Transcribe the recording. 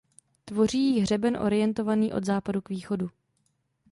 Tvoří ji hřeben orientovaný od západu k východu.